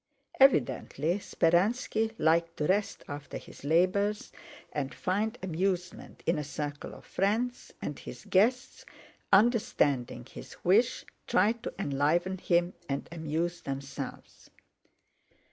Evidently Speránski liked to rest after his labors and find amusement in a circle of friends, and his guests, understanding his wish, tried to enliven him and amuse themselves.